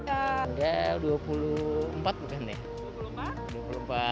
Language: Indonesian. ada dua puluh empat bukan ya